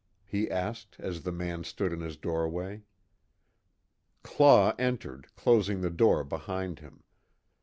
he asked as the man stood in the doorway. Claw entered, closing the door behind him.